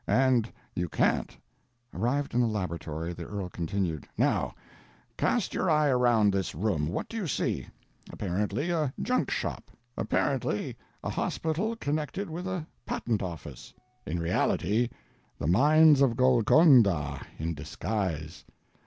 And you can't." Arrived in the "laboratory," the earl continued, "Now, cast your eye around this room—what do you see? Apparently a junk shop; apparently a hospital connected with a patent office—in reality, the mines of Golconda in disguise!